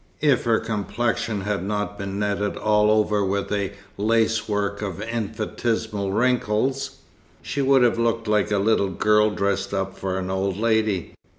If her complexion had not been netted all over with a lacework of infinitesimal wrinkles, she would have looked like a little girl dressed up for an old lady.